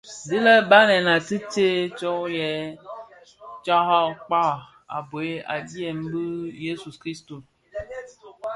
Dii lè Banèn di a tsee tsom yè tara kpag a bheg adyèm dhi Jesu - Kristus.